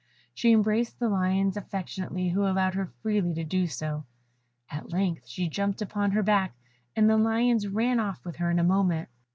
She embraced the lioness affectionately, who allowed her freely to do so; at length she jumped upon her back, and the lions ran off with her in a moment.